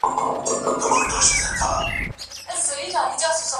د دوی له خامیو څخه لوی قیامتونه جوړ سول.